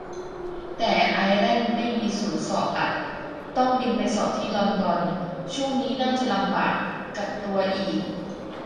แต่ไอร์แลนด์ไม่มีศูนย์สอบอะ ต้องบินไปสอบที่ลอนดอน ช่วงนี้น่าจะลำบาก กักตัวอีก